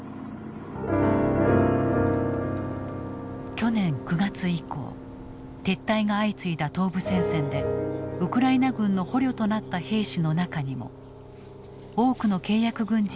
去年９月以降撤退が相次いだ東部戦線でウクライナ軍の捕虜となった兵士の中にも多くの契約軍人が含まれていた。